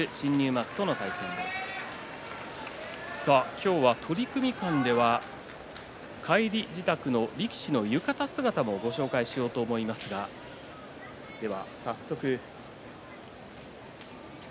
今日は取組間では帰り支度の力士の浴衣姿もご紹介しようと思いますが早速。